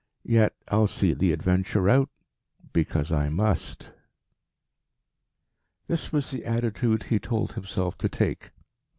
Yet I'll see the adventure out because I must." This was the attitude he told himself to take.